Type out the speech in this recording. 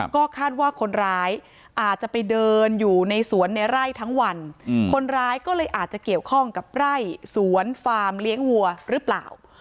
ก็คาดว่าคนร้ายอาจจะไปเดินอยู่ในสวนในไร่ทั้งวันคนร้ายก็เลยอาจจะเกี่ยวข้องกับไร่สวนฟาร์มเลี้ยงวัวหรือเปล่า